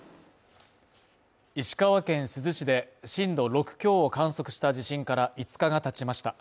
石川県珠洲市で震度６強を観測した地震から５日が経ちました。